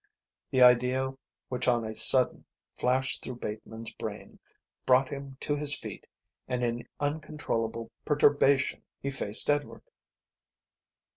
The idea which on a sudden flashed through Bateman's brain brought him to his feet and in uncontrollable perturbation he faced Edward.